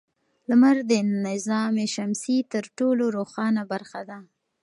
لمر د نظام شمسي تر ټولو روښانه برخه ده.